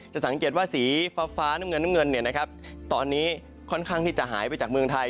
สังเกตว่าสีฟ้าน้ำเงินน้ำเงินตอนนี้ค่อนข้างที่จะหายไปจากเมืองไทย